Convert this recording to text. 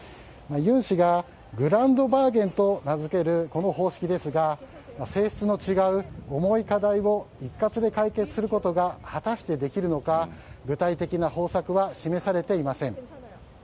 ユン氏がグランドバーゲンと名づける、この方式ですが性質の違う重い課題を一括で解決することが果たしてできるのか具体的な方策は示されていません。